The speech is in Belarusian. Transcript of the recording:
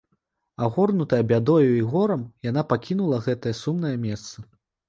Агорнутая бядою і горам, яна пакінула гэтае сумнае месца.